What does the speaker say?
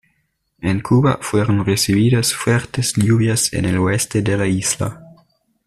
En Cuba fueron recibidas fuertes lluvias en el oeste de la isla.